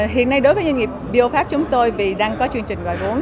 hiện nay đối với doanh nghiệp biopháp chúng tôi vì đang có chương trình gọi vốn